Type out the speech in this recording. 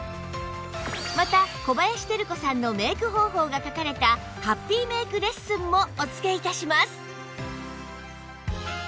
また小林照子さんのメイク方法が書かれたハッピーメイクレッスンもお付け致します